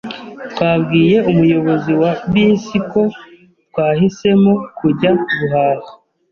Twabwiye umuyobozi wa bisi ko twahisemo kujya guhaha.